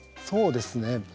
そうですね